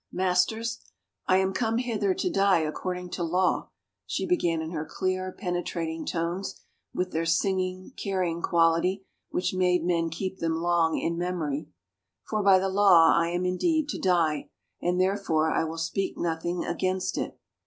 " Masters, I am come hither to die according to law," she began in her clear, penetrating tones with their sing ing, carrying quality which made men keep them long in memory, " for by the law I am indeed to die and therefore I will speak nothing against it.